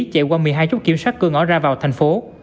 chạy qua một mươi hai chốt kiểm soát cửa ngõ ra vào thành phố